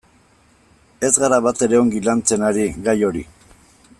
Ez gara batere ongi lantzen ari gai hori.